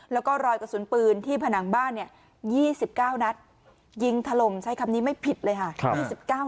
แล้วก็รอยกระสุนปืนที่ผนังบ้านเนี่ย๒๙นัดยิงถล่มใช้คำนี้ไม่ผิดเลยค่ะ